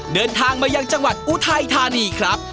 เดินทางมายังจังหวัดอุทัยธานีครับ